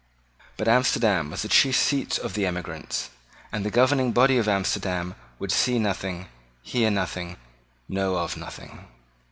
But Amsterdam was the chief seat of the emigrants; and the governing body of Amsterdam would see nothing, hear nothing, know of nothing.